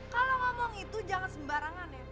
kalau ngomong itu jangan sembarangan ya